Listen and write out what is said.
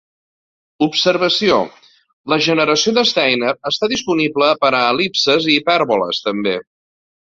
Observació: La generació de Steiner està disponible per a el·lipses i hipèrboles, també.